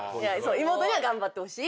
妹には頑張ってほしいっていう。